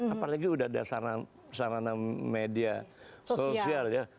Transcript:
apalagi udah ada sarana media sosial ya